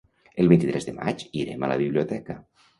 El vint-i-tres de maig irem a la biblioteca.